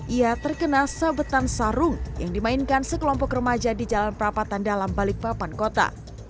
ia terkena sabetan sarung yang dimainkan sekelompok remaja di jalan perapatan dalam balikpapan kota